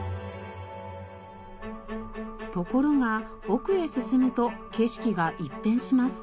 ところが奥へ進むと景色が一変します。